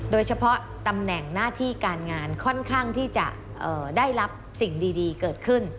ตำแหน่งหน้าที่การงานค่อนข้างที่จะได้รับสิ่งดีเกิดขึ้น